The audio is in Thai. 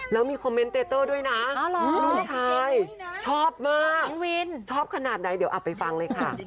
แล้วมีคอมเมนเตอร์ด้วยนะชอบมากชอบขนาดไหนเดี๋ยวอับไปฟังเลยค่ะ